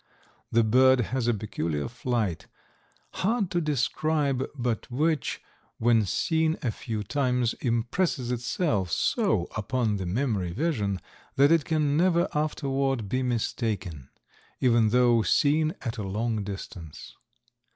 The bird has a peculiar flight, hard to describe, but which, when seen a few times, impresses itself so upon the memory vision that it can never afterward be mistaken, even though seen at a long distance.